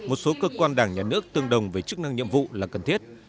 một số cơ quan đảng nhà nước tương đồng về chức năng nhiệm vụ là cần thiết